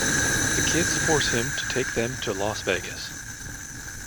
The kids force him to take them to Las Vegas.